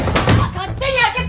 勝手に開けて。